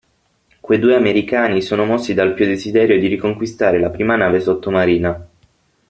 Quei due americani sono mossi dal pio desiderio di riconquistare la prima nave sottomarina.